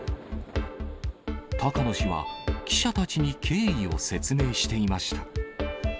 高野氏は記者たちに経緯を説明していました。